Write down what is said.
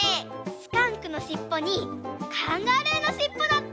スカンクのしっぽにカンガルーのしっぽだって！